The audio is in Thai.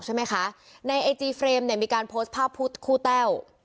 ใช่ไหมคะในไอจีเฟรมเนี่ยมีการโพสต์ภาพพูดคู่แต้ว